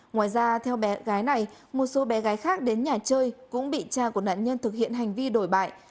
ngoài ra theo bé gái này một số bé gái khác đến nhà chơi cũng bị cha của nạn nhân thực hiện hành vi đổi bại